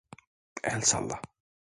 El salla.